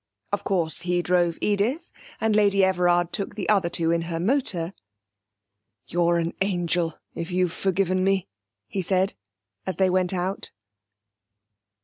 Of course he drove Edith, and Lady Everard took the other two in her motor.... 'You're an angel if you've forgiven me,' he said, as they went out.